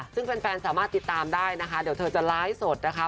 ซึ่งแฟนสามารถติดตามได้นะคะเดี๋ยวเธอจะไลฟ์สดนะคะ